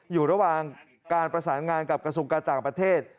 อยู่ระหว่างการประสานงานกับกระทรวงการต่างประเทศ